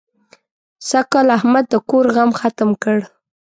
سږکال احمد د کور غم ختم کړ.